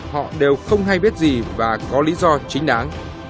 họ đều không hay biết gì và có lý do chính đáng